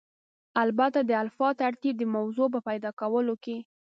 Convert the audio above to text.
البته د الفبا ترتیب د موضوع په پیدا کولو کې.